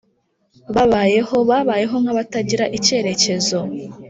babayeho babayeho nkabatagira ikerekezo.